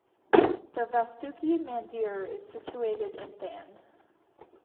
The Vasuki Mandir is situated in Than.